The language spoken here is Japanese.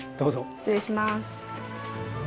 失礼します。